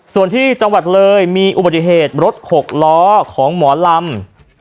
ส่วนที่จังหวัดเลยมีอุบัติเหตุรถหกล้อของหมอลำ